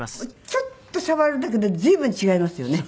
ちょっと触るだけで随分違いますよね。